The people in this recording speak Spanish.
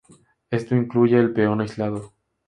Esto incluye el peón aislado.